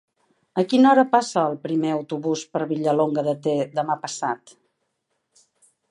A quina hora passa el primer autobús per Vilallonga de Ter demà passat?